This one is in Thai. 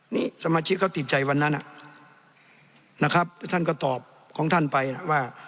นี่สมาชิกเขาติดใจวันนั้นนะครับท่านก็ตอบของท่านไปนะว่า